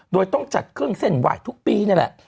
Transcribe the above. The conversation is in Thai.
โดยต้องจัดเครื่องเส้นไหว้ทุกปีนี่แหละ